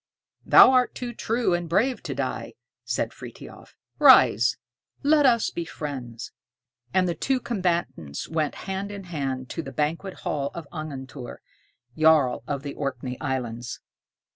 "Thou art too true and brave to die," said Frithiof. "Rise, let us be friends." And the two combatants went hand in hand to the banquet hall of Angantyr, Jarl (earl) of the Orkney Islands.